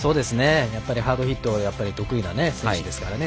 やっぱり、ハードヒットが得意な選手ですからね。